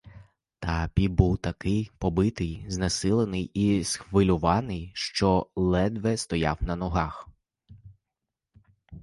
Та піп був такий побитий, знесилений і схвильований, що ледве стояв на ногах.